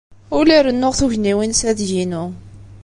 Ur la rennuɣ tugniwin s adeg-inu.